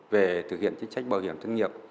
về thực hiện chính sách bảo hiểm thất nghiệp